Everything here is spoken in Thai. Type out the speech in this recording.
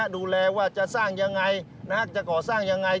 ดูแลว่าจะสร้างอย่างไรจะก่อสร้างอย่างไร